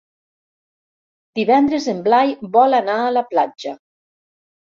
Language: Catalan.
Divendres en Blai vol anar a la platja.